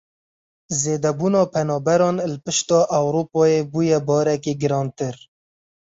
Zêdebûna penaberan li pişta Ewropayê bûye barekî girantir.